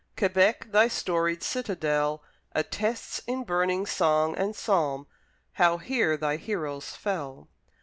Quebec, thy storied citadel Attests in burning song and psalm How here thy heroes fell!